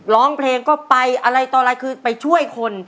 ร้องเพลงก็ไปอะไรต่ออะไรคือไปช่วยคน